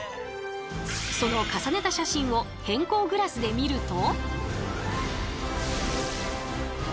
その重ねた写真を偏光グラスで見ると。